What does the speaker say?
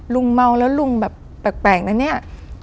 เมาแล้วลุงแบบแปลกนะเนี่ย